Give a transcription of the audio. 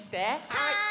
はい。